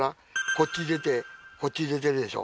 こっち出てこっち出てるでしょ？